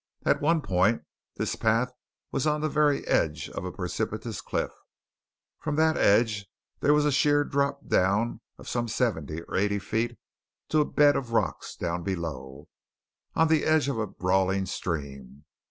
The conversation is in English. At one point, this path was on the very edge of a precipitous cliff; from that edge there was a sheer drop of some seventy or eighty feet to a bed of rocks down below, on the edge of a brawling stream.